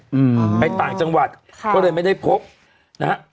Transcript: อืมไปต่างจังหวัดค่ะก็เลยไม่ได้พบนะฮะ